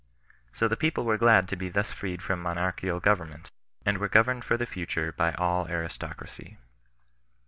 So the people were glad to be thus freed from monarchical government, and were governed for the future by all aristocracy.